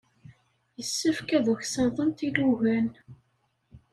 Yessefk ad uksaḍent ilugan.